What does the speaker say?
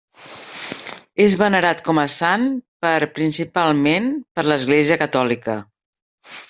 És venerat com a sant per principalment per l'església catòlica.